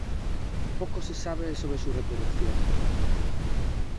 Poco se sabe sobre su reproducción.